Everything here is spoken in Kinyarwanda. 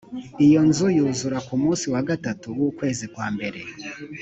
iyo nzu yuzura ku munsi wa gatatu w ukwezi kwa mbere